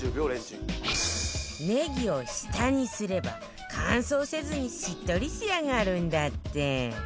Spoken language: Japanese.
ネギを下にすれば乾燥せずにしっとり仕上がるんだって